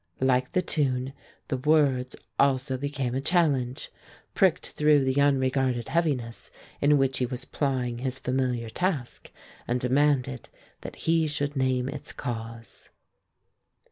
Like the tune, the words also became a challenge; pricked through the unregarded heaviness in which he was plying his familiar task, and demanded that he should name its cause.